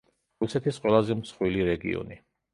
რუსეთის ყველაზე მსხვილი რეგიონი.